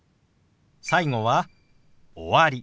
最後は「終わり」。